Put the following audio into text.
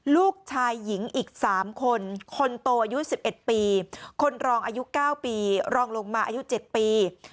ลูกชายหญิงอีก๓คนคนโตอายุ๑๑ปีคนรองอายุ๙ปีรองลงมาอายุ๗ปี